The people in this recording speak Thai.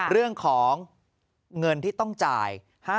เรื่องของเงินที่ต้องจ่าย